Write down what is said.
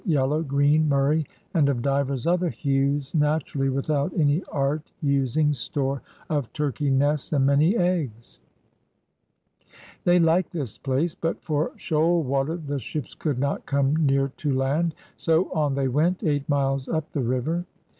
Yellow, Greene, Murry, and of divers other hewes natur ally without any art using •.. store of Turkic nests and many Egges.'' They liked this place, but for shoal water the ships could not come near to land. So on they went, dght miles up the river.